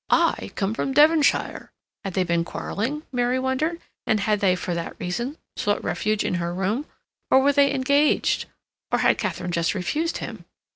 I come from Devonshire—" Had they been quarreling, Mary wondered, and had they, for that reason, sought refuge in her room, or were they engaged, or had Katharine just refused him?